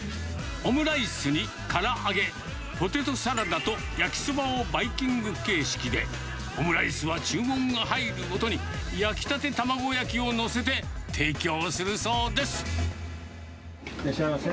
オムライスにから揚げ、ポテトサラダと焼きそばをバイキング形式で、オムライスは注文が入るごとに焼きたて卵焼きを載せて、提供をすいらっしゃいませ。